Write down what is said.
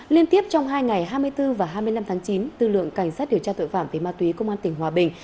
liên tiếp trong hai ngày hai mươi bốn và hai mươi năm tháng chín tư lượng cảnh sát điều tra tội phạm về ma túy công an tỉnh hòa bình